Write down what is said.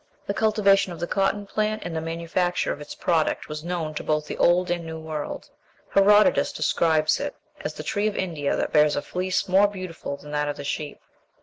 The cultivation of the cotton plant and the manufacture of its product was known to both the Old and New World. Herodotus describes it (450 B.C.) as the tree of India that bears a fleece more beautiful than that of the sheep.